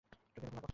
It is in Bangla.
টোকিওতে ফোন লাগাও।